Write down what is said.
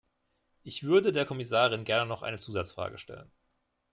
Ich würde der Kommissarin gerne noch eine Zusatzfrage stellen.